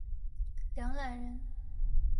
梁览人。